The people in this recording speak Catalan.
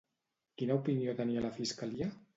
Quina opinió tenia la fiscalia?